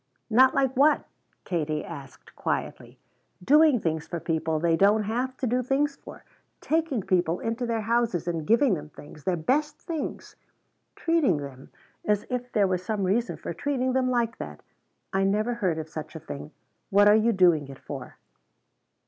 "Not like what?" Kate asked quietly. "Doing things for people they don't have to do things for! Taking people into their houses and giving them things their best things! treating them as if there was some reason for treating them like that! I never heard of such a thing. What are you doing it for?"